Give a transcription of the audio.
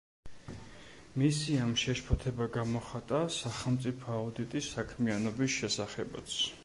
მისიამ შეშფოთება გამოხატა სახელმწიფო აუდიტის საქმიანობის შესახებაც.